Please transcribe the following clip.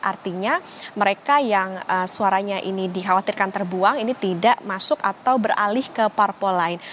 artinya mereka yang suaranya ini dikhawatirkan terbuang ini tidak masuk atau beralih ke parpol lain